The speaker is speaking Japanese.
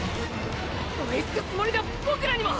追いつくつもりだボクらにも！！